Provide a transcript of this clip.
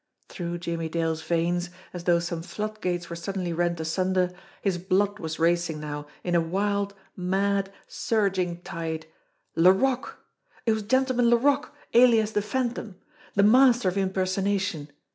Through Jimmie Dale's veins, as though some floodgates were suddenly rent asunder, his blood was racing now in a wild, mad, surging tide. Laroque! It was Gentleman Laroque, alias the Phantom! The master of impersonation!